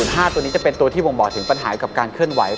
๕ตัวนี้จะเป็นตัวที่บ่งบอกถึงปัญหากับการเคลื่อนไหว